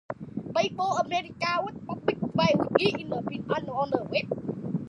"Baseball America" is published bi-weekly in print and on the web.